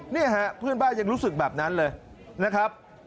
เนี่ยฮะเพื่อนบ้านยังรู้สึกแบบนั้นเลยนะครับ